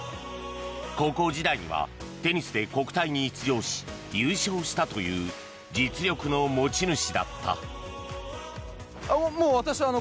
高校時代にはテニスで国体に出場し優勝したという実力の持ち主だった。